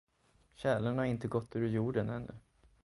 Tjälen har inte gått ur jorden ännu.